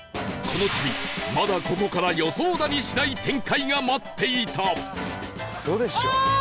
この旅まだここから予想だにしない展開が待っていた